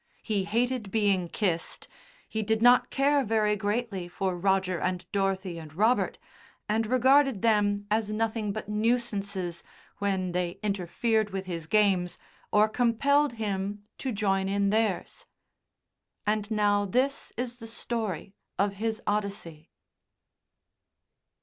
He hated being kissed, he did not care very greatly for Roger and Dorothy and Robert, and regarded them as nothing but nuisances when they interfered with his games or compelled him to join in theirs. And now this is the story of his Odyssey.